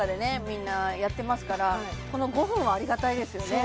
みんなやってますからこの５分はありがたいですよね